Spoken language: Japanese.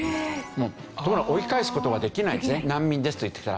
というのは追い返す事はできないんですね「難民です」と言ってきたら。